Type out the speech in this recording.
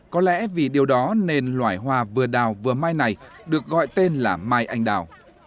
có lẽ vì điều đó nên loại hoa vừa đào vừa mai này được gọi tên là mai anh đào